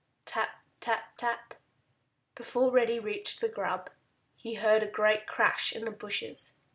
Tap, tap, tap! Before Reddy reached the grub he heard a great crash in the bushes.